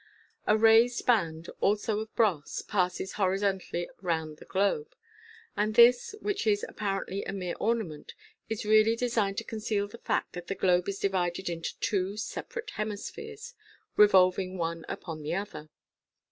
A raised band, also of brass, passes horizontally round the globe j and this, which is apparently a mere ornament, is really designed to conceal the fact that the globe is divided into two sepa rate hemispheres, revolving one upon the other.